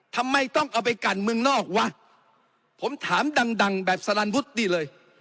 ทำไมต้องเอาไปกันเมืองนอกวะผมถามดังดังแบบสลันวุฒินี่เลย